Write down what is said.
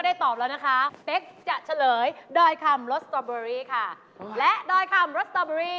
ดอยคำรสกระเจี๊บครับ